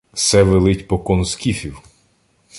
— Се велить покон скіфів.